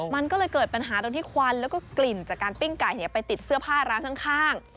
มันก็เลยเกิดปัญหาตรงที่ควันแล้วก็กลิ่นจากการปิ้งไก่ไปติดเสื้อผ้าร้านข้าง